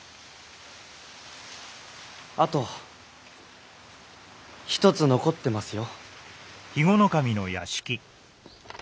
あと一つ残ってますよ。